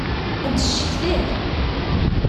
Ad d-ccetkiḍ!?